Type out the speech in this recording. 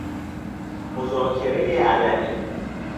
مذاکره علنی